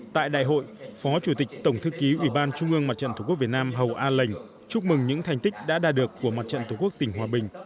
tại đại hội phó chủ tịch tổng thư ký ủy ban trung ương mặt trận tổ quốc việt nam hầu a lệnh chúc mừng những thành tích đã đa được của mặt trận tổ quốc tỉnh hòa bình